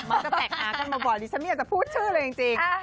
แท็กหากันบ่อยดิฉันไม่อยากจะพูดชื่อเลยจริง